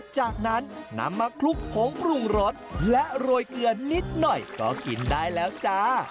จากนั้นนำมาคลุกผงปรุงรสและโรยเกลือนิดหน่อยก็กินได้แล้วจ้า